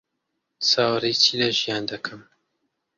چاوەڕێی چی لە ژیان دەکەم؟